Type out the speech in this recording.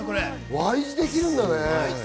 Ｙ字できるんだね。